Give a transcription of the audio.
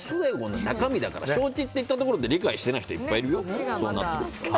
中身だから承知と言ったところで理解していない人いっぱいいるよ。